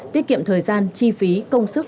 tiết kiệm thời gian chi phí công sức